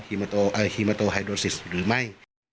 ฮีโมโตไฮโดซิสหรือไม่